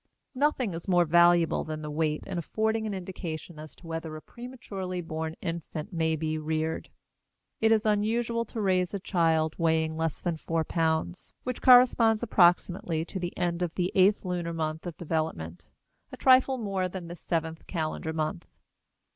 Nothing is more valuable than the weight in affording an indication as to whether a prematurely born infant may be reared. It is unusual to raise a child weighing less than four pounds, which corresponds approximately to the end of the eighth lunar month of development (a trifle more than the seventh calendar month).